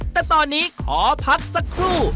แต่ตอนนี้ขอพักสักครู่